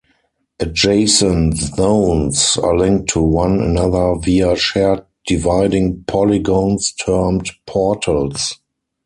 Adjacent zones are linked to one another via shared dividing polygons termed "portals".